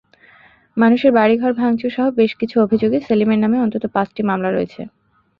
মানুষের বাড়িঘর ভাঙচুরসহ বেশি কিছু অভিযোগে সেলিমের নামে অন্তত পাঁচটি মামলা রয়েছে।